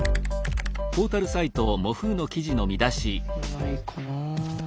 ないかな。